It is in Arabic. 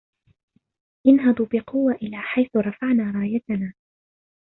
انهضوا بقوة إلى حيث رفعنا رايتنا